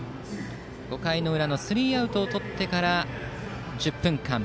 ５回の裏のスリーアウトをとってから１０分間